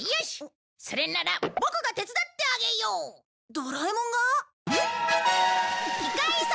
ドラえもんが？